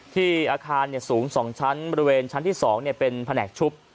ที่อาคารเนี่ยสูงสองชั้นบริเวณชั้นที่สองเนี่ยเป็นแผนกชุบ